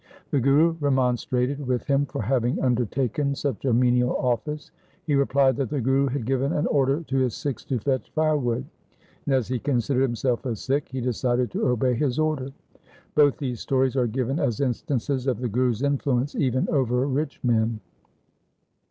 The Guru remonstrated with him for having undertaken such a menial office. He replied that the Guru had given an order to his Sikhs to fetch firewood, and, as he considered himself a Sikh, he decided to obey his order. Both these stories are given as instances of the Guru's influence even over rich men.